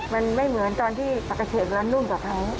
มันไม่เหมือนตอนที่ปลากระเชษมันลุ่มกว่าเค้า